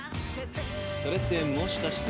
それってもしかして。